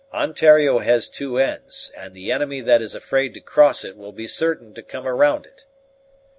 Ontario has two ends, and the enemy that is afraid to cross it will be certain to come round it."